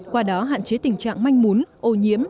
qua đó hạn chế tình trạng manh mún ô nhiễm